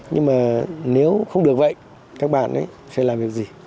nhưng mà nếu không được vậy các bạn ấy sẽ làm việc gì